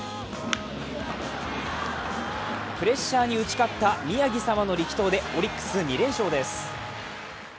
プレッシャーに打ち勝った宮城様の力投でオリックス２連勝です。